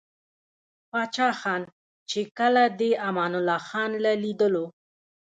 پاچاخان ،چې کله دې امان الله خان له ليدلو o